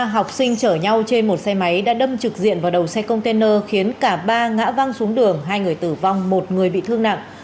học sinh chở nhau trên một xe máy đã đâm trực diện vào đầu xe container khiến cả ba ngã văng xuống đường hai người tử vong một người bị thương nặng